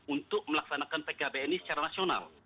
untuk melaksanakan pkbn ini secara nasional